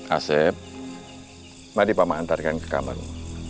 asyik mari pak man antarkan ke kamarmu